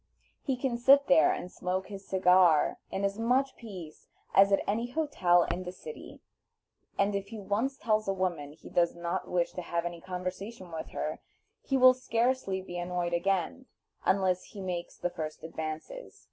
He can sit there and smoke his cigar in as much peace as at any hotel in the city; and if he once tells a woman he does not wish to have any conversation with her, he will scarcely be annoyed again, unless he makes the first advances.